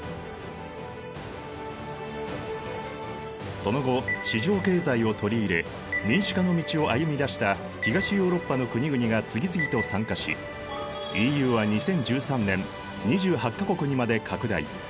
その後市場経済を取り入れ民主化の道を歩みだした東ヨーロッパの国々が次々と参加しＥＵは２０１３年２８か国にまで拡大。